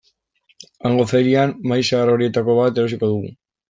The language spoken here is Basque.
Hango ferian mahai zahar horietako bat erosiko dugu.